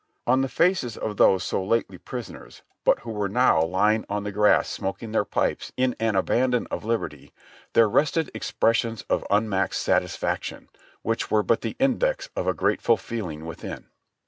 On the faces of those so lately prisoners, but who were now lying on the grass 15 226 JOHNNY RKB AND BIIvI^Y YANK smoking their pipes in an abandon of liberty, there rested ex pressions of unmixed satisfaction, which were but the index of a grateful feeling within.